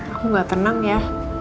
aku gak tenang ya